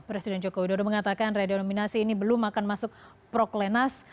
presiden joko widodo mengatakan redenominasi ini belum akan masuk proklenas